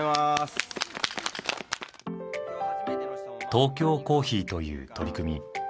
トーキョーコーヒーという取り組み。